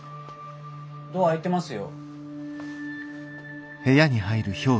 ドア開いてますよ。